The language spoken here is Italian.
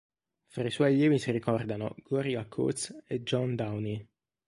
Fra i suoi allievi si ricordano, Gloria Coates e John Downey.